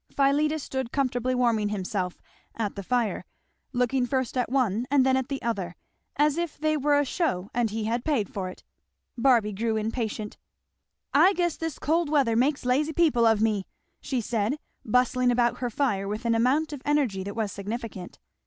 Philetus stood comfortably warming himself at the fire, looking first at one and then at the other, as if they were a show and he had paid for it. Barby grew impatient. "I guess this cold weather makes lazy people of me!" she said bustling about her fire with an amount of energy that was significant.